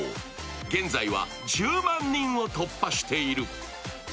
現在は１０万人を突破している。